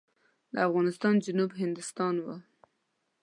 د افغانستان جنوب هندوستان و.